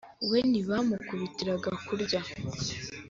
we ntibamukubitiraga kurya